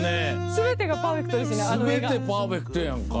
全てがパーフェクトですね。